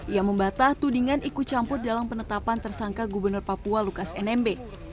ia membatah tudingan ikut campur dalam penetapan tersangka gubernur papua lukas nmb